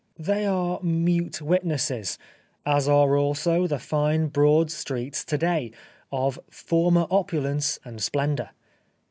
They are mute witnesses, as are also the fine broad streets to day, of former opulence and splendour.